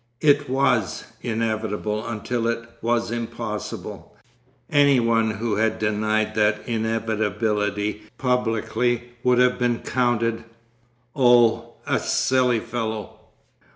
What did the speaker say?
It was inevitable until it was impossible. Any one who had denied that inevitability publicly would have been counted—oh! a silly fellow.